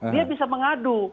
dia bisa mengadu